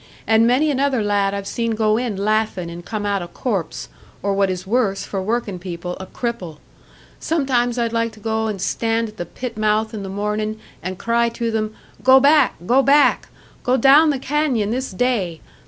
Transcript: And many another lad I've seen go in laughin', and come out a corpse or what is worse, for workin' people, a cripple. Sometimes I'd like to go and stand at the pit mouth in the mornin' and cry to them, 'Go back, go back! Go down the canyon this day!